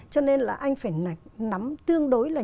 cho nên là anh phải nắm tương đối là